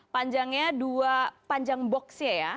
panjangnya dua panjang boxnya ya